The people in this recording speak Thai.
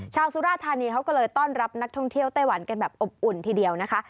สุราธานีเขาก็เลยต้อนรับนักท่องเที่ยวไต้หวันกันแบบอบอุ่นทีเดียวนะคะ